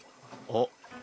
あっ。